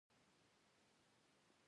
ایا تاسو د معدې ډاکټر یاست؟